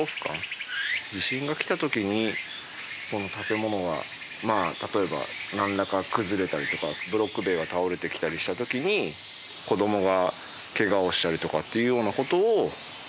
地震がきた時にこの建物がまあ例えばなんらか崩れたりとかブロック塀が倒れてきたりした時に子どもがケガをしたりとかっていうような事を考えると。